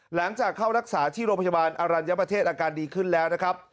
หลังจากเข้ารักษาที่โรงพยาบาลอรัญญประเทศอาการดีขึ้นแล้วนะครับ